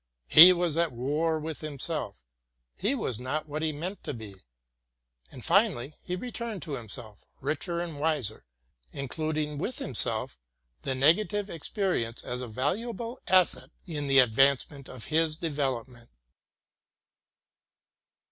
He was at war with himself; he was not what he meant to be. And finally, he returned to himself richer and wiser, in cluding within himself the negative experience as 'a valua ble asset in the advance of his development.